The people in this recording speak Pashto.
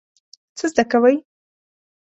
څه زده کوئ؟